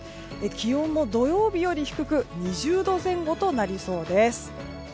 気温も土曜日より低く２０度前後となりそうです。